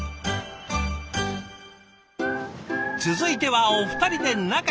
続いてはお二人で仲良く。